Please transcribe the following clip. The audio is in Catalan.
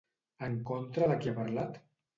En contra de qui ha parlat?